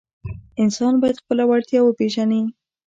انسان باید خپله وړتیا وپیژني.